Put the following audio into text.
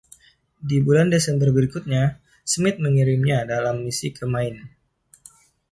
Di bulan Desember berikutnya, Smith mengirimnya dalam misi ke Maine.